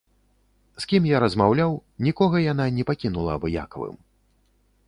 З кім я размаўляў, нікога яна не пакінула абыякавым.